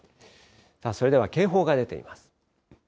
それでは警報が出ています。